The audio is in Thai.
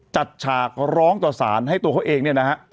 ฉากร้องต่อสารให้ตัวเขาเองเนี่ยนะฮะ